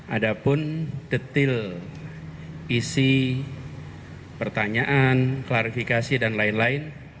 ada pun detail isi pertanyaan klarifikasi dan lain lain